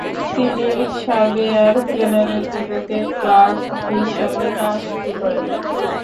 তিনি surveyor general বিভাগে clerk হিসাবে কাজ শুরু করেন।